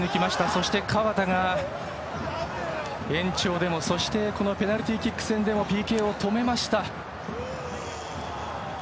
そして河田が延長でもそしてペナルティーキック戦でもＰＫを止めました。